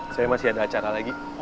misalnya masih ada acara lagi